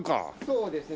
そうですね。